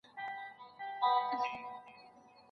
افغان زده کوونکي د ډیپلوماټیک پاسپورټ اخیستلو حق نه لري.